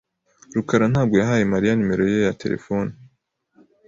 rukarantabwo yahaye Mariya numero ye ya terefone.